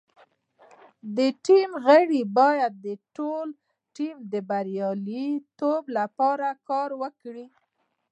د ټیم غړي باید د ټول ټیم د بریالیتوب لپاره کار وکړي.